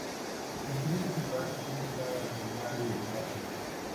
En su vida privada estuvo cada con Mario Lizarraga.